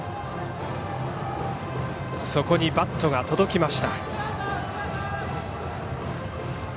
そこにバットが届きました。